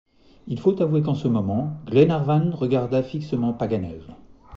Il faut avouer qu’en ce moment Glenarvan regarda fixement Paganel.